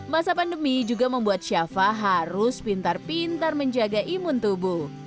masa pandemi juga membuat syafa harus pintar pintar menjaga imun tubuh